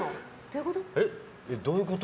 どういうこと？